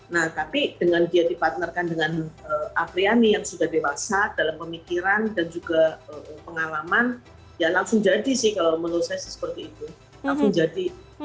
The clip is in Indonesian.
nah tapi dengan dia dipartnerkan dengan apriani yang sudah dewasa dalam pemikiran dan juga pengalaman ya langsung jadi sih kalau menurut saya sih seperti itu